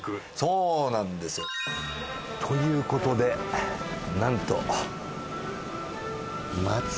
そうなんですよ。という事でなんと。